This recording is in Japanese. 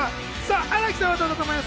新木さんはどう思います？